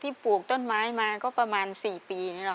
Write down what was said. ปลูกต้นไม้มาก็ประมาณ๔ปีนี่หรอ